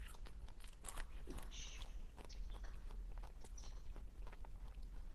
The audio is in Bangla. অবিনশ্বরদের খাবার হতে চাউ?